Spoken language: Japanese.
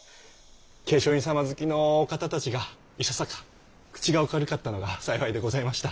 桂昌院様付きのお方たちがいささか口がお軽かったのが幸いでございました。